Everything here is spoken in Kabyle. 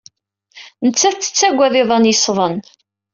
Nettat tettagad iḍan yessḍen.